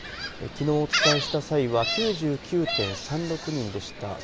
きのうお伝えした際は９９．３６人でした。